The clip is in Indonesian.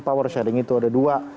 power sharing itu ada dua